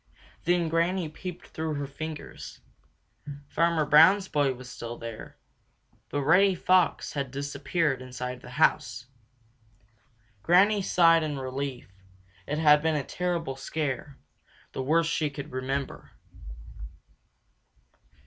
Then Granny peeped through her fingers. Farmer Brown's boy was still there, but Reddy Fox had disappeared inside the house. Granny Fox sighed in relief. It had been a terrible scare, the worst she could remember.